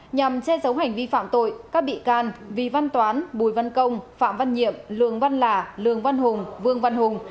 nhằm che giấu hành vi phạm tội các bị can vy văn toán bùi văn công phạm văn nhiệm lương văn lạ lương văn hùng vương văn hùng